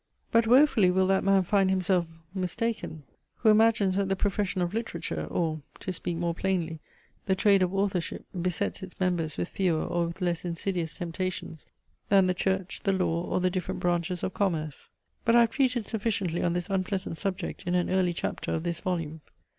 But wofully will that man find himself mistaken, who imagines that the profession of literature, or (to speak more plainly) the trade of authorship, besets its members with fewer or with less insidious temptations, than the Church, the law, or the different branches of commerce. But I have treated sufficiently on this unpleasant subject in an early chapter of this volume.